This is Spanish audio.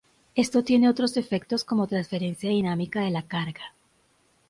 Esto tiene otros efectos como transferencia dinámica de la carga.